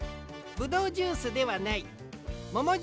モモジュースではない。